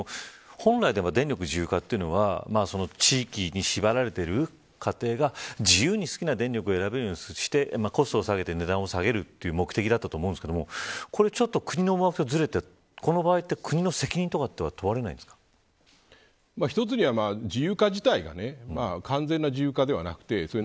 本来は電力自由化というのは地域に縛られている家庭が自由に好きな電力を選べるようにしてコストを下げて、値段を下げるという目的だったと思うんですけどこれちょっと国の思惑とずれていってこの場合、国の責任などは一つには、自由化自体が完全な自由化ではなくて。